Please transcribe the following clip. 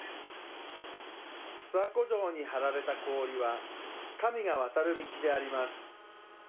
諏訪湖上に張られた氷は、神が渡る道であります。